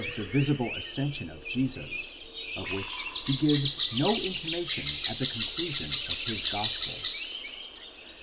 753 the visible ascension of Jesus, of which he gives no intimation at the conclu sion of his gospel.